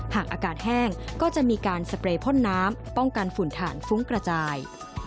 หากอากาศแห้งก็จะมีการสเปรย์พ่นน้ำป้องกันฝุ่นฐานฟุ้งกระจาย